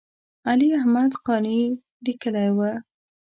علي احمد قانع یې لیکلی و.